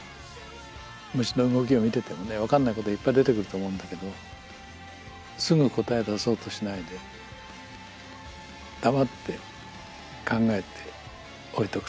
虫の動きを見ててもね分かんないこといっぱい出てくると思うんだけどすぐ答え出そうとしないで黙って考えて置いとく。